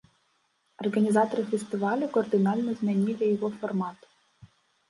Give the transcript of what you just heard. Арганізатары фестывалю кардынальна змянілі яго фармат.